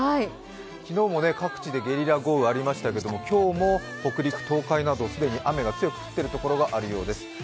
昨日も各地でゲリラ豪雨がありましたけども、今日も北陸、東海など既に雨が強く降っているところがあるようです。